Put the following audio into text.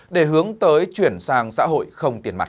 để hướng tới chuyển sang xã hội không tiền mặt